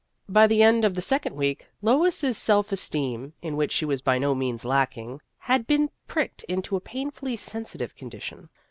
By the end of the second week Lois's self esteem (in which she was by no means lacking) had been pricked into a painfully sensitive condition.